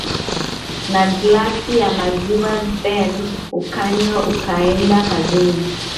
na glass ya maziwa then ukanywa ukaenda kazini